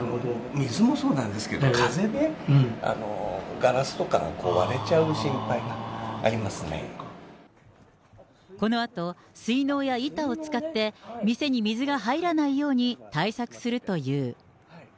水もそうなんですけど、風でガラスとかが割れちゃう心配があこのあと、水のうや板を使って、店に水が入らないように対策するという。